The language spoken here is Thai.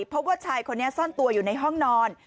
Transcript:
พบว่าชายคนนี้ซ่อนตัวอยู่ในห้องนอน